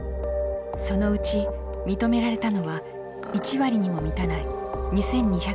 そのうち認められたのは１割にも満たない２，２８０人ほど。